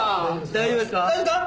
大丈夫ですか？